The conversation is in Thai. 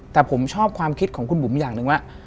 แต่ผมชอบความคิดของคุณบุ๋มอย่างหนึ่งว่า